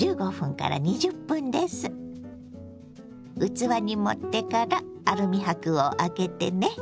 器に盛ってからアルミ箔を開けてね。